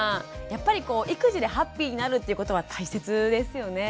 やっぱりこう育児でハッピーになるっていうことは大切ですよね？